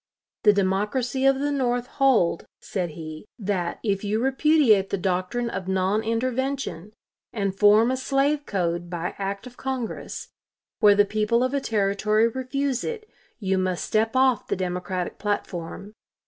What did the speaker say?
The Democracy of the North hold, said he, that "if you repudiate the doctrine of non intervention, and form a slave code by act of Congress, where the people of a Territory refuse it, you must step off the Democratic platform.